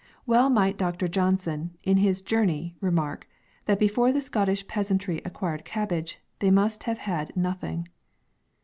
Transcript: Well might Dr. Johnson, in his " Journey. " remark, that before the Scottish peasantry acquired cabbage, they must have had no thing.